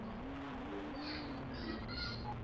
Morocco imeshuka mwaka elfu mbili na ishirini na moja